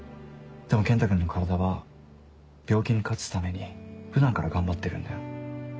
でも健太くんの体は病気に勝つために普段から頑張ってるんだよ。